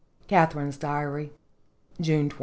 KATHARINE'S DIARY. June 21.